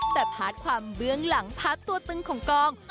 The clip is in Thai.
แต่พาดความเบื้องหลังพาดตัวตึงของกลาง